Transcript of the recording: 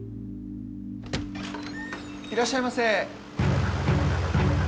いらっしゃいませ。